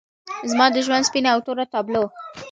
زما د ژوند سپینه او توره تابلو